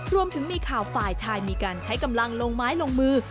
รวมถึงมีข่าวฝ่ายชายมีการใช้กำลังลงไม้ลงมือ